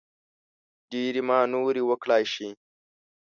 ډېرې مانورې وکړای شي.